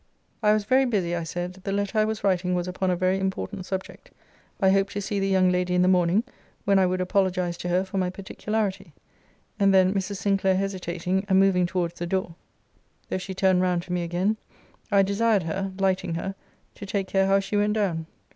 I was very busy, I said: the letter I was writing was upon a very important subject. I hoped to see the young lady in the morning, when I would apologize to her for my particularity. And then Mrs. Sinclair hesitating, and moving towards the door, (though she turned round to me again,) I desired her, (lighting her,) to take care how she went down.